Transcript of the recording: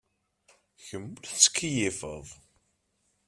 Kemm ur tettkeyyifed.